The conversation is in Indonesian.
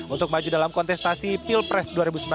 untuk maju dalam kontestasi pilpres dua ribu sembilan belas